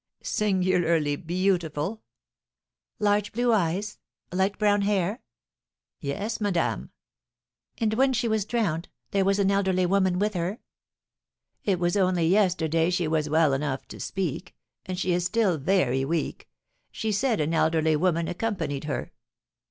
"Singularly beautiful!" "Large, blue eyes, light brown hair?" "Yes, madame." "And when she was drowned, there was an elderly woman with her?" "It was only yesterday she was well enough to speak, and she is still very weak; she said an elderly woman accompanied her."